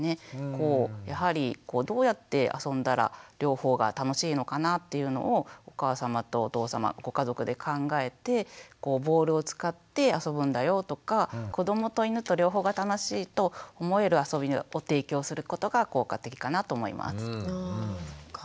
やはりどうやって遊んだら両方が楽しいのかなっていうのをお母さまとお父さまご家族で考えてボールを使って遊ぶんだよとか子どもと犬と両方が楽しいと思える遊びを提供することが効果的かなと思います。